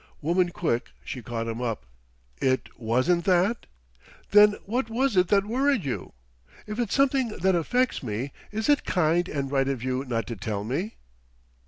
Woman quick she caught him up. "It wasn't that? Then what was it that worried you? If it's something that affects me, is it kind and right of you not to tell me?"